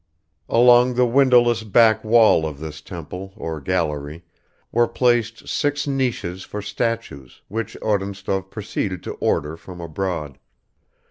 Along the windowless back wall of this temple or gallery were placed six niches for statues, which Odintsov proceeded to order from abroad.